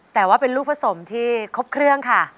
แต่ว่าเป็นลูกผสมที่ครบเครื่องค่ะ